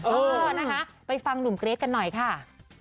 เออนะคะไปฟังหนุ่มเกรทกันหน่อยค่ะ